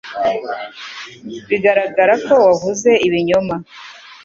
Biragaragara ko wavuze ibinyoma